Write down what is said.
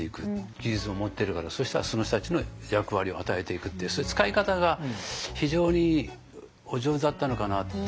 技術も持ってるからそしたらその人たちの役割を与えていくってその使い方が非常にお上手だったのかなっていう。